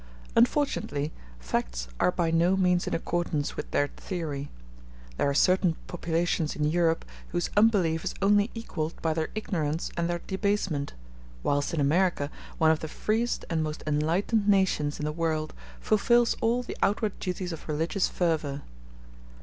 Unfortunately, facts are by no means in accordance with their theory. There are certain populations in Europe whose unbelief is only equalled by their ignorance and their debasement, whilst in America one of the freest and most enlightened nations in the world fulfils all the outward duties of religious fervor.